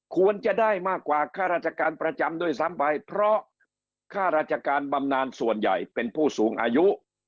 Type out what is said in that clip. ควรจะได้มากกว่าค่าราชการประจำด้วยซ้ำไปเพราะค่าราชการบำนานส่วนใหญ่เป็นผู้สูงอายุ